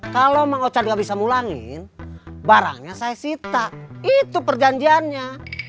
kalau mang ocad gak bisa mulangin barangnya saya sitak itu perjanjiannya